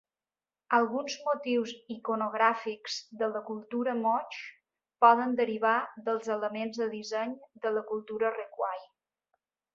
Alguns motius iconogràfics de la cultura moche poden derivar dels elements de disseny de la cultura Recuay.